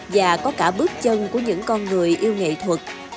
và có cả bước chân của những con người yêu nghệ thuật